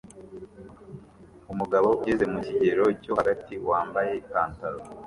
Umugabo ugeze mu kigero cyo hagati wambaye ipantaro